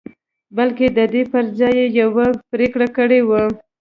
بلکې د دې پر ځای يې يوه پرېکړه کړې وه.